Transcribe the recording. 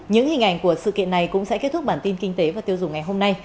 những hình ảnh của sự kiện này cũng sẽ kết thúc bản tin kinh tế và tiêu dùng ngày hôm nay